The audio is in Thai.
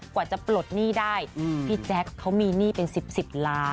กว่าจะปลดหนี้ได้พี่แจ๊คเขามีหนี้เป็น๑๐ล้าน